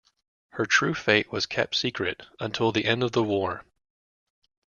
Her true fate was kept secret until the end of the war.